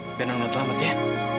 cepet nang biar nang lihat lambat ya